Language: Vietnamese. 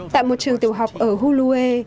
tại một trường tiểu học ở hulue